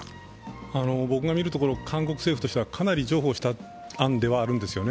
僕が見るところ、韓国政府がかなり譲歩した案ではあるんですよね。